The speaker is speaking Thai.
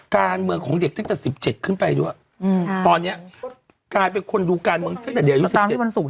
การเมืองของเด็กตั้งแต่๑๗ขึ้นไปด้วยตอนนี้กลายเป็นคนดูการเมืองตั้งแต่เด็กอายุ๑๗